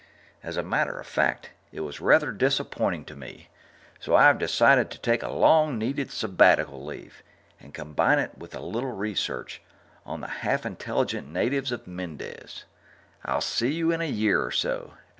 As a matter of fact, it was rather disappointing to me, so I've decided to take a long needed sabbatical leave and combine it with a little research on the half intelligent natives of Mendez. I'll see you in a year or so.